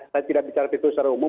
saya tidak bicara pintu secara umum